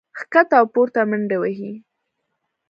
ښکته او پورته منډې وهي